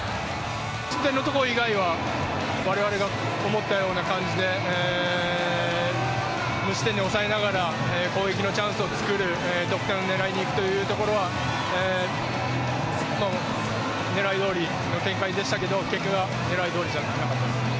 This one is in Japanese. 失点のところ以外は、我々が思ったような感じで無失点に抑えながら攻撃のチャンスを作る、得点を狙いにいくというところは狙いどおりの展開ですけど、結果が狙いどおりじゃなかった。